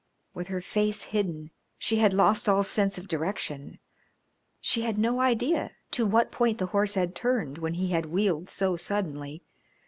With her face hidden she had lost all sense of direction. She had no idea to what point the horse had turned when he had wheeled so suddenly.